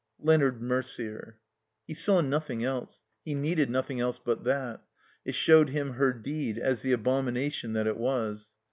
Leonard Mercier; he saw nothing else; he needed nothing else but that; it showed him her deed as the abomination that it was.